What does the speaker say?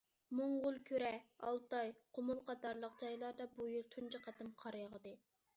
موڭغۇلكۈرە، ئالتاي، قۇمۇل قاتارلىق جايلاردا بۇ يىل تۇنجى قېتىم قار ياغدى.